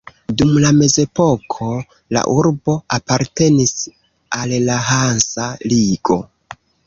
Dum la mezepoko, la urbo apartenis al la Hansa Ligo.